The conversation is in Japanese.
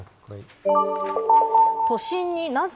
都心になぜ？